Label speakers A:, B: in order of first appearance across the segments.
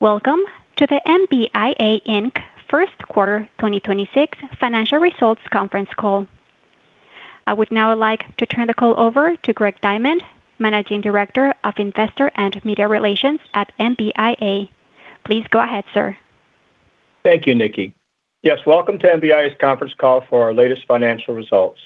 A: Welcome to the MBIA Inc. First Quarter 2026 Financial Results Conference Call. I would now like to turn the call over to Greg Diamond, Managing Director of Investor and Media Relations at MBIA. Please go ahead, sir.
B: Thank you, Nikki. Yes, welcome to MBIA's conference call for our latest financial results.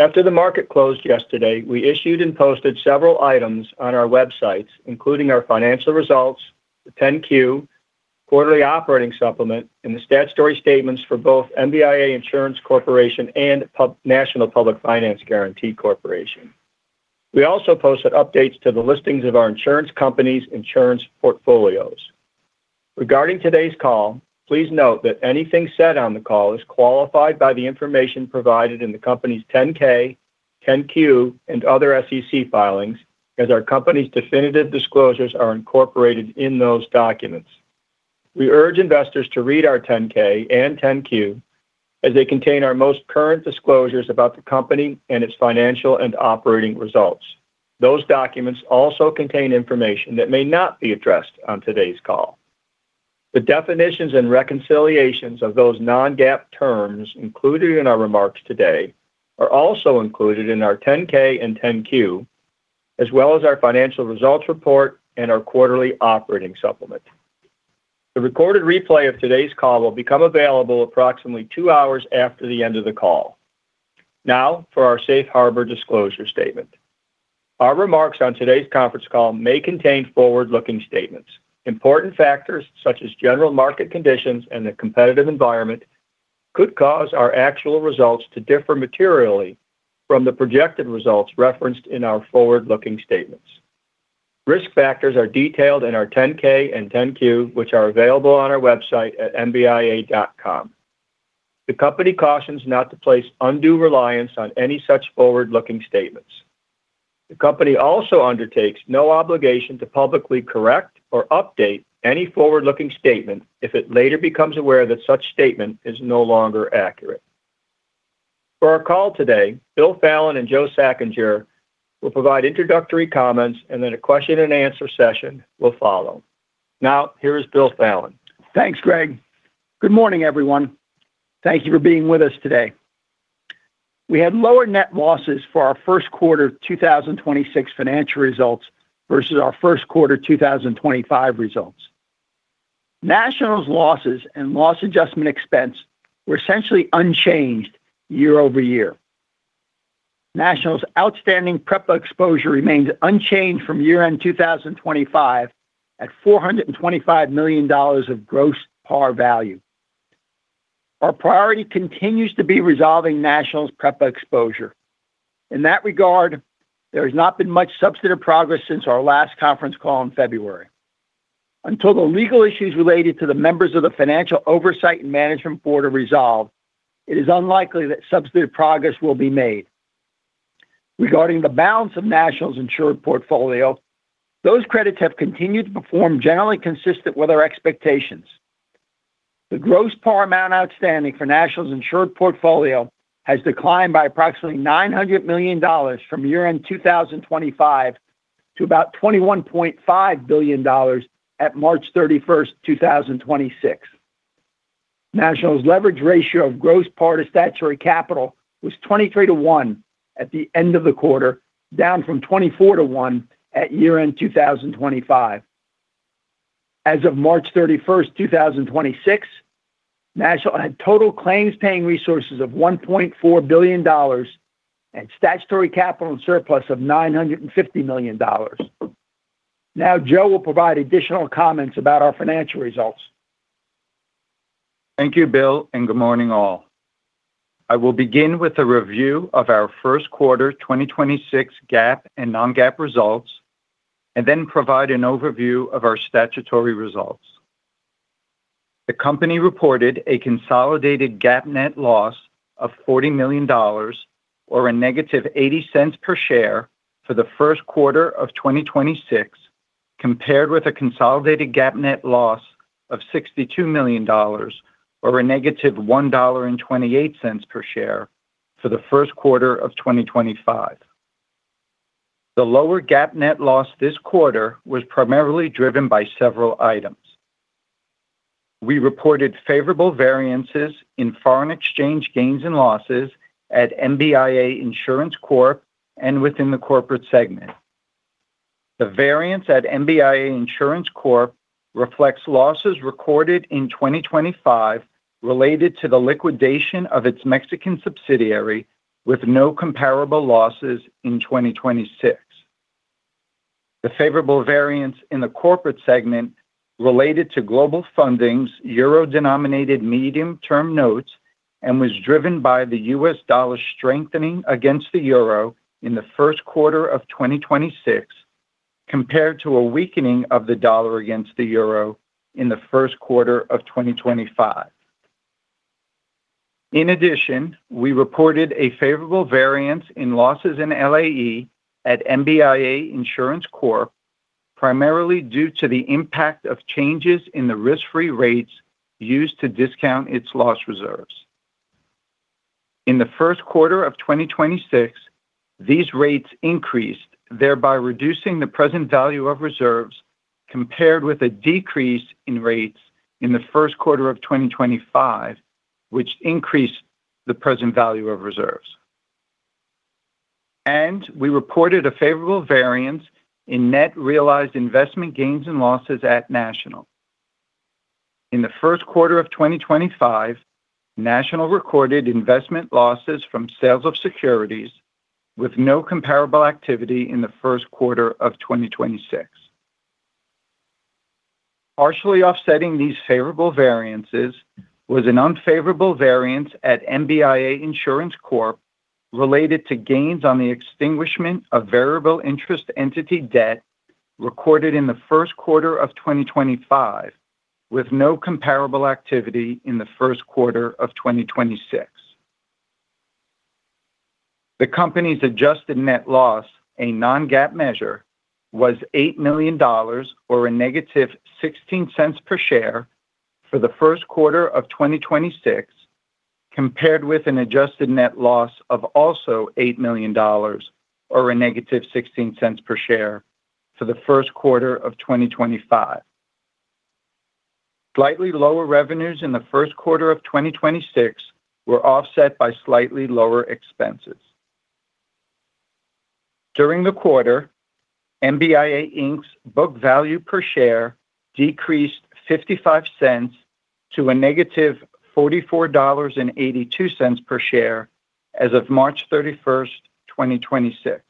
B: After the market closed yesterday, we issued and posted several items on our websites, including our financial results, the 10-Q, quarterly operating supplement, and the statutory statements for both MBIA Insurance Corporation and National Public Finance Guarantee Corporation. We also posted updates to the listings of our insurance company's insurance portfolios. Regarding today's call, please note that anything said on the call is qualified by the information provided in the company's 10-K, 10-Q, and other SEC filings, as our company's definitive disclosures are incorporated in those documents. We urge investors to read our 10-K and 10-Q, as they contain our most current disclosures about the company and its financial and operating results. Those documents also contain information that may not be addressed on today's call. The definitions and reconciliations of those non-GAAP terms included in our remarks today are also included in our 10-K and 10-Q, as well as our financial results report and our quarterly operating supplement. The recorded replay of today's call will become available approximately two hours after the end of the call. Now, for our safe harbor disclosure statement. Our remarks on today's conference call may contain forward-looking statements. Important factors such as general market conditions and the competitive environment could cause our actual results to differ materially from the projected results referenced in our forward-looking statements. Risk factors are detailed in our 10-K and 10-Q, which are available on our website at mbia.com. The company cautions not to place undue reliance on any such forward-looking statements. The company also undertakes no obligation to publicly correct or update any forward-looking statement if it later becomes aware that such statement is no longer accurate. For our call today, Bill Fallon and Joe Schachinger will provide introductory comments and then a question and answer session will follow. Now, here is Bill Fallon.
C: Thanks, Greg. Good morning, everyone. Thank you for being with us today. We had lower net losses for our first quarter 2026 financial results versus our first quarter 2025 results. National's losses and loss adjustment expense were essentially unchanged year-over-year. National's outstanding PREPA exposure remains unchanged from year-end 2025 at $425 million of gross par value. Ourpriority continues to be resolving National's PREPA exposure. In that regard, there has not been much substantive progress since our last conference call in February. Until the legal issues related to the members of the Financial Oversight and Management Board are resolved, it is unlikely that substantive progress will be made. Regarding the balance of National's insured portfolio, those credits have continued to perform generally consistent with our expectations. The gross par amount outstanding for National's insured portfolio has declined by approximately $900 million from year-end 2025 to about $21.5 billion at March 31, 2026. National's leverage ratio of gross par to statutory capital was 23 to 1 at the end of the quarter, down from 24 to 1 at year-end 2025. As of March 31, 2026, National had total claims-paying resources of $1.4 billion and statutory capital and surplus of $950 million. Now Joe will provide additional comments about our financial results.
D: Thank you, Bill. Good morning, all. I will begin with a review of our first quarter 2026 GAAP and non-GAAP results and then provide an overview of our statutory results. The company reported a consolidated GAAP net loss of $40 million or a negative $0.80 per share for the first quarter of 2026, compared with a consolidated GAAP net loss of $62 million or a negative $1.28 per share for the first quarter of 2025. The lower GAAP net loss this quarter was primarily driven by several items. We reported favorable variances in foreign exchange gains and losses at MBIA Insurance Corp. and within the corporate segment. The variance at MBIA Insurance Corp. reflects losses recorded in 2025 related to the liquidation of its Mexican subsidiary with no comparable losses in 2026. The favorable variance in the corporate segment related to Global Funding's euro-denominated medium-term notes and was driven by the U.S. dollar strengthening against the euro in the first quarter of 2026 compared to a weakening of the dollar against the euro in the first quarter of 2025. In addition, we reported a favorable variance in losses and LAE at MBIA Insurance Corp. primarily due to the impact of changes in the risk-free rates used to discount its loss reserves. In the first quarter of 2026, these rates increased, thereby reducing the present value of reserves compared with a decrease in rates in the first quarter of 2025, which increased the present value of reserves. We reported a favorable variance in net realized investment gains and losses at National. In the first quarter of 2025, National recorded investment losses from sales of securities with no comparable activity in the first quarter of 2026. Partially offsetting these favorable variances was an unfavorable variance at MBIA Insurance Corp. related to gains on the extinguishment of variable interest entity debt recorded in the first quarter of 2025, with no comparable activity in the first quarter of 2026. The company's adjusted net loss, a non-GAAP measure, was $8 million, or a -$0.16 per share, for the first quarter of 2026, compared with an adjusted net loss of $8 million, or a -$0.16 per share, for the first quarter of 2025. Slightly lower revenues in the first quarter of 2026 were offset by slightly lower expenses. During the quarter, MBIA Inc.'s book value per share decreased $0.55 to -$44.82 per share as of March 31, 2026.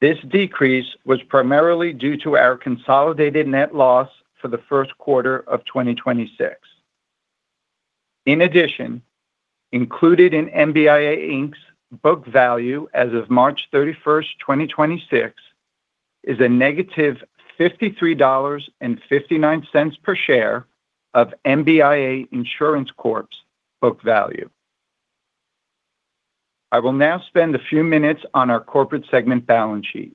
D: This decrease was primarily due to our consolidated net loss for the first quarter of 2026. In addition, included in MBIA Inc.'s book value as of March 31, 2026 is -$53.59 per share of MBIA Insurance Corp.'s book value. I will now spend a few minutes on our corporate segment balance sheet.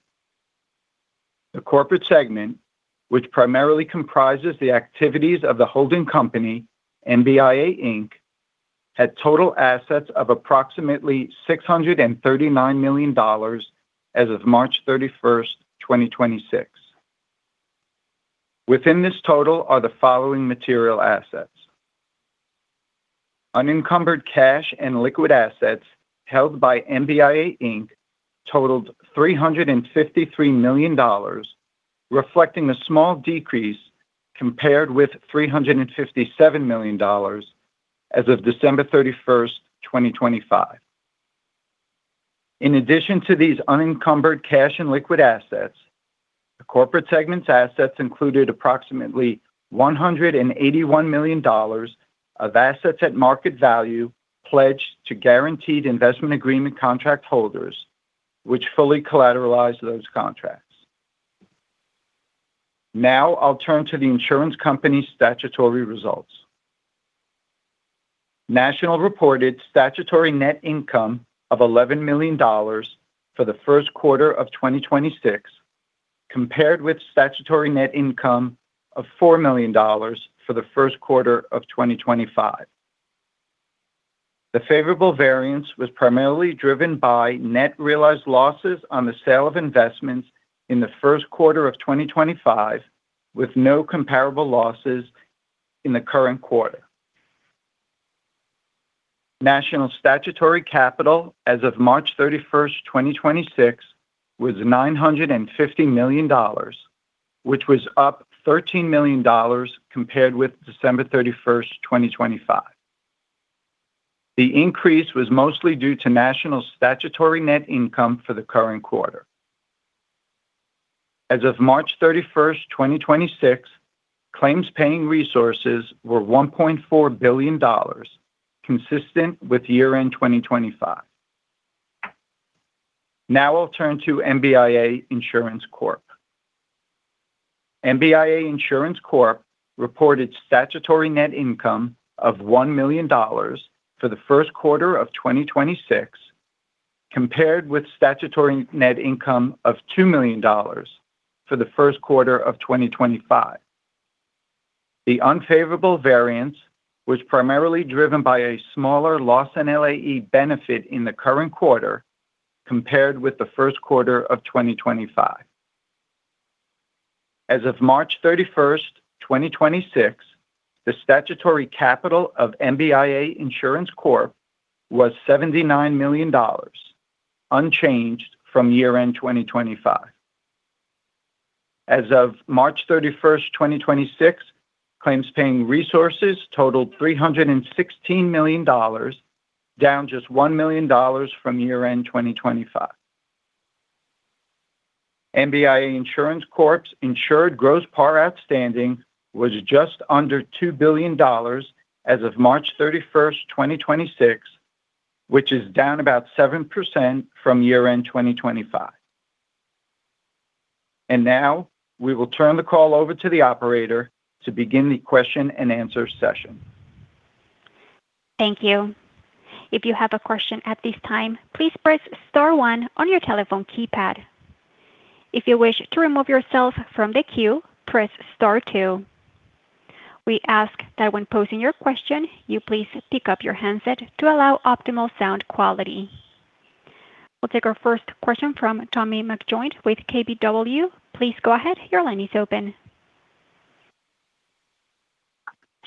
D: The corporate segment, which primarily comprises the activities of the holding company, MBIA Inc., had total assets of approximately $639 million as of March 31, 2026. Within this total are the following material assets. Unencumbered cash and liquid assets held by MBIA Inc. totaled $353 million, reflecting a small decrease compared with $357 million as of December 31, 2025. In addition to these unencumbered cash and liquid assets, the corporate segment's assets included approximately $181 million of assets at market value pledged to guaranteed investment agreement contract holders, which fully collateralized those contracts. Now I'll turn to the insurance company's statutory results. National reported statutory net income of $11 million for the first quarter of 2026, compared with statutory net income of $4 million for the first quarter of 2025. The favorable variance was primarily driven by net realized losses on the sale of investments in the first quarter of 2025, with no comparable losses in the current quarter. National statutory capital as of March 31, 2026 was $950 million, which was up $13 million compared with December 31, 2025. The increase was mostly due to National's statutory net income for the current quarter. As of March 31, 2026, claims-paying resources were $1.4 billion, consistent with year-end 2025. Now I'll turn to MBIA Insurance Corp. MBIA Insurance Corp reported statutory net income of $1 million for the first quarter of 2026, compared with statutory net income of $2 million for the first quarter of 2025. The unfavorable variance was primarily driven by a smaller loss and LAE benefit in the current quarter compared with the first quarter of 2025. As of March 31, 2026, the statutory capital of MBIA Insurance Corp was $79 million, unchanged from year-end 2025. As of March 31, 2026, claims-paying resources totaled $316 million, down just $1 million from year-end 2025. MBIA Insurance Corp's insured gross par outstanding was just under $2 billion as of March 31, 2026, which is down about 7% from year-end 2025. Now we will turn the call over to the operator to begin the question and answer session.
A: Thank you. If you have a question at this time, please press star one on your telephone keypad. If you wish to remove yourself from the queue, press star two. We ask that when posing your question, you please pick up your handset to allow optimal sound quality. We will take our first question from Tommy McJoynt with KBW. Please go ahead. Your line is open.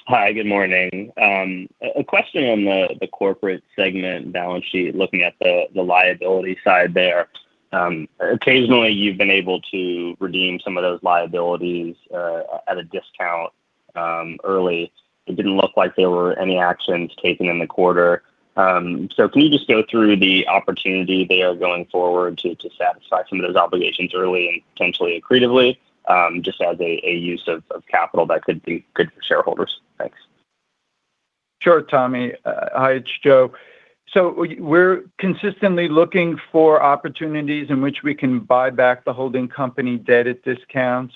E: Hi, good morning. A question on the corporate segment balance sheet, looking at the liability side there. Occasionally you've been able to redeem some of those liabilities at a discount early. It didn't look like there were any actions taken in the quarter. Can you just go through the opportunity there going forward to satisfy some of those obligations early and potentially accretively, just as a use of capital that could be good for shareholders? Thanks.
D: Sure, Tommy. Hi, it's Joe. We're consistently looking for opportunities in which we can buy back the holding company debt at discounts.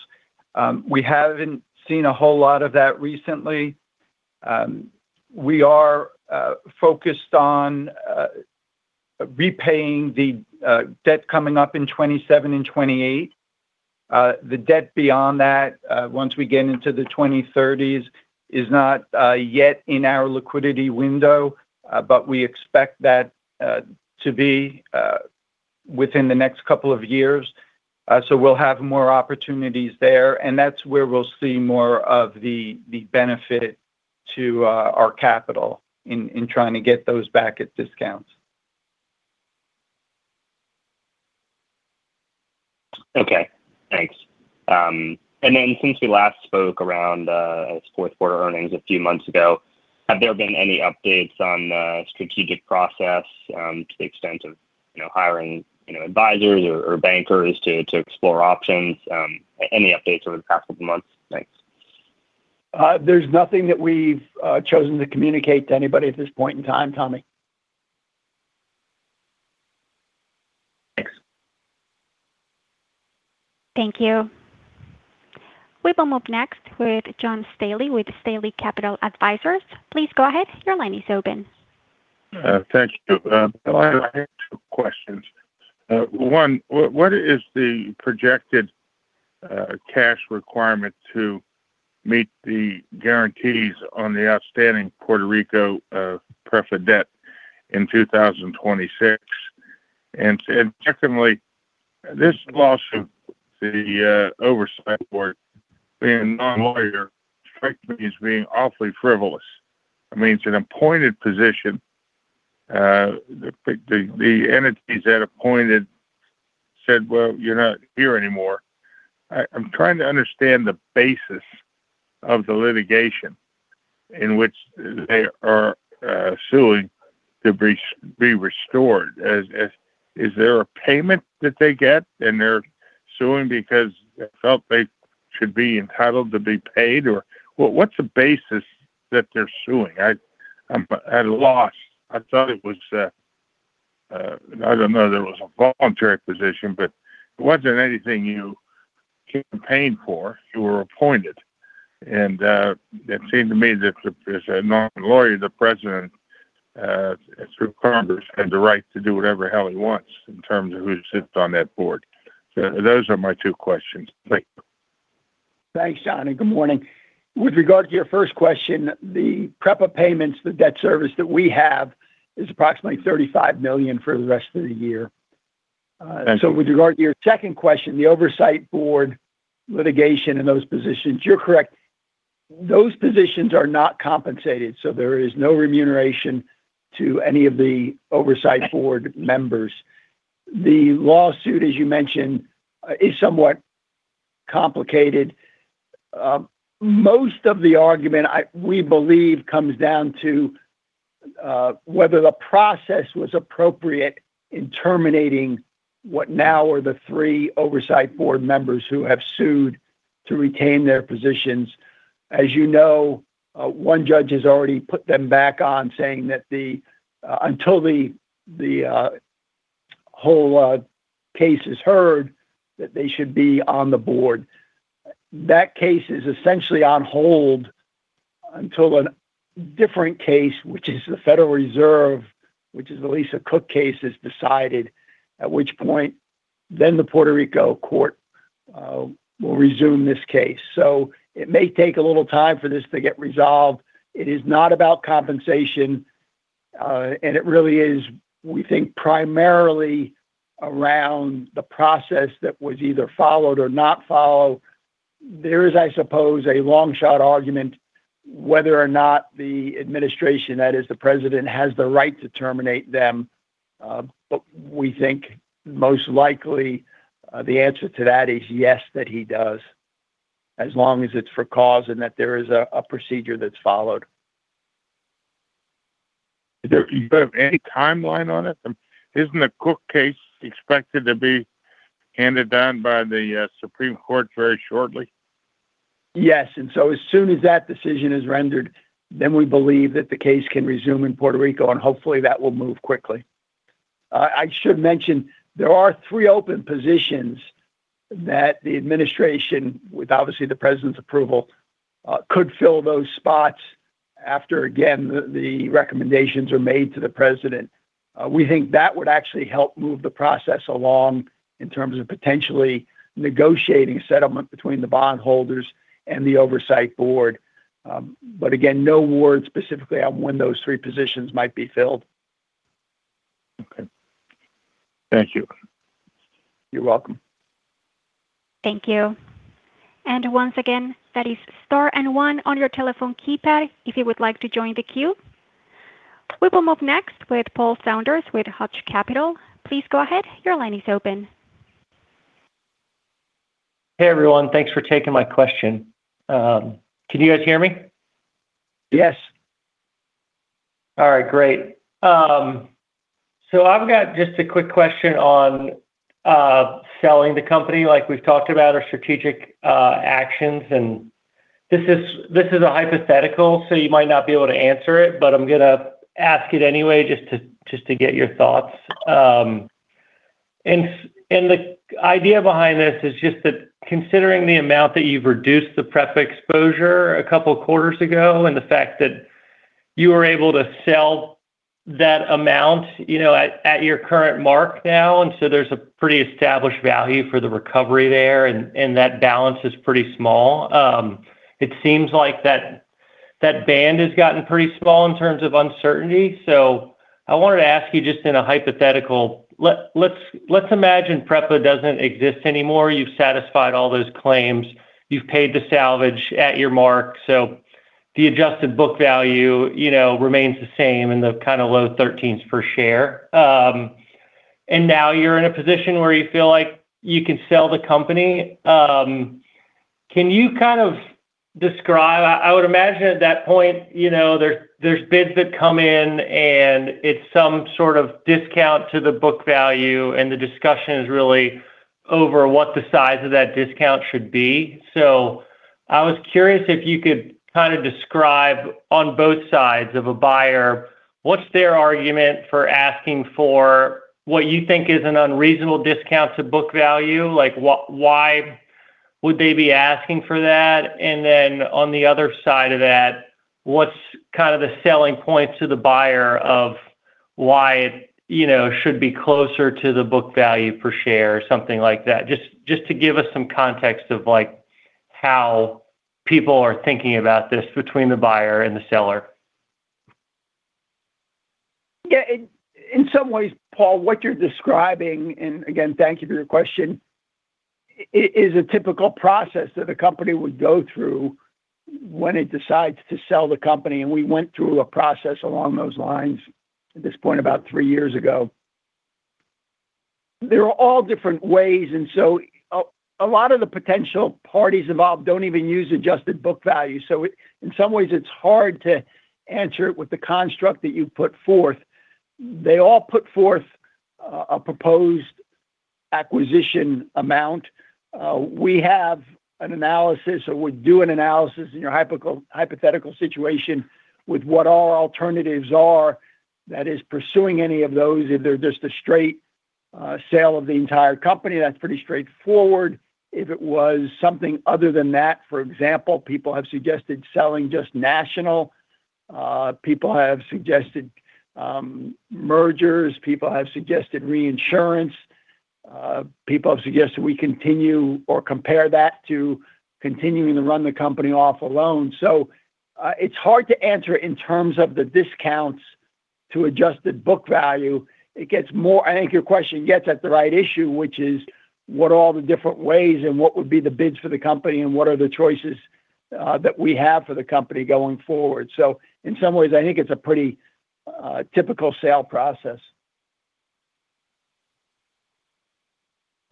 D: We haven't seen a whole lot of that recently. We are focused on repaying the debt coming up in 2027 and 2028. The debt beyond that, once we get into the 2030s is not yet in our liquidity window, we expect that to be within the next couple of years. We'll have more opportunities there, and that's where we'll see more of the benefit to our capital in trying to get those back at discounts.
E: Okay, thanks. Since we last spoke around fourth quarter earnings a few months ago, have there been any updates on strategic process to the extent of, you know, hiring, you know, advisors or bankers to explore options? Any updates over the past couple months? Thanks.
C: There's nothing that we've chosen to communicate to anybody at this point in time, Tommy.
E: Thanks.
A: Thank you. We will move next with John Staley with Staley Capital Advisers. Please go ahead. Your line is open.
F: Thank you. I have two questions. One, what is the projected cash requirement to meet the guarantees on the outstanding Puerto Rico PREPA debt in 2026? Secondarily, this lawsuit, the Oversight Board, being a non-lawyer, strikes me as being awfully frivolous. I mean, it's an appointed position. The entities that appointed said, "Well, you're not here anymore." I'm trying to understand the basis of the litigation in which they are suing to be restored. Is there a payment that they get, and they're suing because they felt they should be entitled to be paid? What's the basis that they're suing? I'm at a loss. I thought it was, I don't know that it was a voluntary position, but it wasn't anything you campaigned for. You were appointed. It seemed to me that as a non-lawyer, the president, through Congress, has the right to do whatever hell he wants in terms of who sits on that board. Those are my two questions. Thanks.
C: Thanks, John, and good morning. With regard to your first question, the PREPA payments, the debt service that we have is approximately $35 million for the rest of the year.
F: Thank you.
C: With regard to your second question, the Oversight Board litigation and those positions, you're correct. Those positions are not compensated, so there is no remuneration to any of the Oversight Board members. The lawsuit, as you mentioned, is somewhat complicated. Most of the argument we believe comes down to whether the process was appropriate in terminating what now are the three Oversight Board members who have sued to retain their positions. As you know, one judge has already put them back on saying that until the whole case is heard that they should be on the Board. That case is essentially on hold until a different case, which is the Federal Reserve, which is the Lisa Cook case, is decided, at which point the Puerto Rico court will resume this case. It may take a little time for this to get resolved. It is not about compensation. It really is, we think, primarily around the process that was either followed or not followed. There is, I suppose, a long shot argument whether or not the administration, that is the president, has the right to terminate them. We think most likely, the answer to that is yes, that he does, as long as it's for cause and that there is a procedure that's followed.
F: Do you have any timeline on it? Isn't the Cook case expected to be handed down by the Supreme Court very shortly?
C: Yes. As soon as that decision is rendered, then we believe that the case can resume in Puerto Rico, and hopefully that will move quickly. I should mention there are three open positions that the administration, with obviously the president's approval, could fill those spots. After again, the recommendations are made to the president. We think that would actually help move the process along in terms of potentially negotiating a settlement between the bond holders and the oversight board. But again, no word specifically on when those three positions might be filled.
F: Okay. Thank you.
C: You're welcome.
A: Thank you. Once again, that is star one on your telephone keypad if you would like to join the queue. We will move next with Paul Saunders with Hutch Capital. Please go ahead. Your line is open.
G: Hey everyone, thanks for taking my question. Can you guys hear me?
C: Yes.
G: All right, great. I've got just a quick question on selling the company like we've talked about or strategic actions. This is a hypothetical, so you might not be able to answer it, but I'm gonna ask it anyway just to get your thoughts. The idea behind this is just that considering the amount that you've reduced the PREPA exposure a couple quarters ago, the fact that you were able to sell that amount, you know, at your current mark now, there's a pretty established value for the recovery there and that balance is pretty small. It seems like that band has gotten pretty small in terms of uncertainty. I wanted to ask you just in a hypothetical, let's imagine PREPA doesn't exist anymore. You've satisfied all those claims. You've paid the salvage at your mark, the adjusted book value, you know, remains the same in the kinda low $13s per share. Now you're in a position where you feel like you can sell the company. Can you kind of describe I would imagine at that point, you know, there's bids that come in, and it's some sort of discount to the book value, and the discussion is really over what the size of that discount should be. I was curious if you could kinda describe on both sides of a buyer, what's their argument for asking for what you think is an unreasonable discount to book value? Like, why would they be asking for that? On the other side of that, what's kind of the selling point to the buyer of why it, you know, should be closer to the book value per share or something like that? Just to give us some context of like how people are thinking about this between the buyer and the seller.
C: In some ways, Paul, what you're describing, and again, thank you for your question, is a typical process that a company would go through when it decides to sell the company. We went through a process along those lines at this point about three years ago. There are all different ways. A lot of the potential parties involved don't even use adjusted book value. In some ways it's hard to answer it with the construct that you've put forth. They all put forth a proposed acquisition amount. We have an analysis or we do an analysis in your hypothetical situation with what all alternatives are that is pursuing any of those. If they're just a straight sale of the entire company, that's pretty straightforward. If it was something other than that, for example, people have suggested selling just National. People have suggested mergers. People have suggested reinsurance. People have suggested we continue or compare that to continuing to run the company off a loan. It's hard to answer in terms of the discounts to adjusted book value. It gets more I think your question gets at the right issue, which is what all the different ways and what would be the bids for the company, and what are the choices that we have for the company going forward. In some ways, I think it's a pretty typical sale process.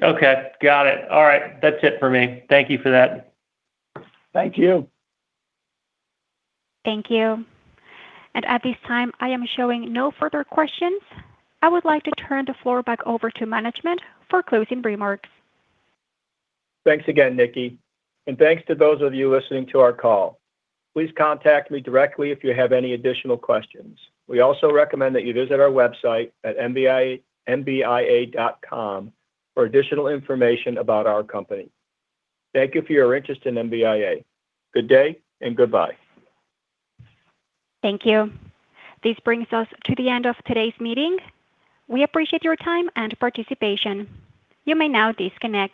G: Okay, got it. All right. That's it for me. Thank you for that.
C: Thank you.
A: Thank you. At this time, I am showing no further questions. I would like to turn the floor back over to management for closing remarks.
B: Thanks again, Nikki. And thanks to those of you listening to our call. Please contact me directly if you have any additional questions. We also recommend that you visit our website at MBIA, mbia.com for additional information about our company. Thank you for your interest in MBIA. Good day and goodbye.
A: Thank you. This brings us to the end of today's meeting. We appreciate your time and participation. You may now disconnect.